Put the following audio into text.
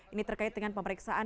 ini terkait dengan pemeriksaan